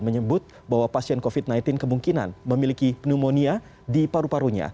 menyebut bahwa pasien covid sembilan belas kemungkinan memiliki pneumonia di paru parunya